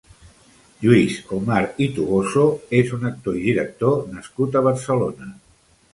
Lluís Homar i Toboso és un actor i director nascut a Barcelona.